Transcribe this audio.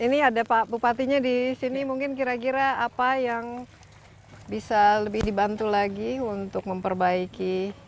ini ada pak bupatinya di sini mungkin kira kira apa yang bisa lebih dibantu lagi untuk memperbaiki